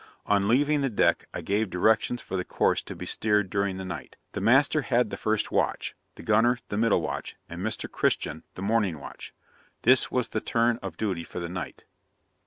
On leaving the deck I gave directions for the course to be steered during the night. The master had the first watch; the gunner, the middle watch; and Mr. Christian, the morning watch. This was the turn of duty for the night.